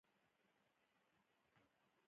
آیا موږ کارګو طیارې لرو؟